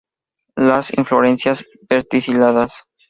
Las inflorescencias verticiladas.